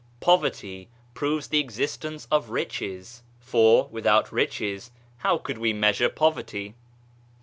Poverty proves the existence of riches, for, without riches, how could we measure poverty